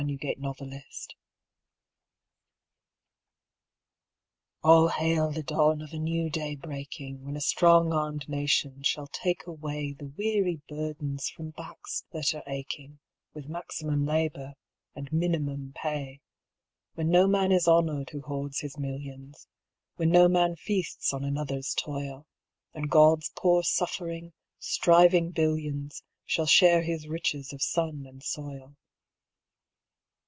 WHAT WE WANT All hail the dawn of a new day breaking, When a strong armed nation shall take away The weary burdens from backs that are aching With maximum labour and minimum pay; When no man is honoured who hoards his millions; When no man feasts on another's toil; And God's poor suffering, striving billions Shall share His riches of sun and soil.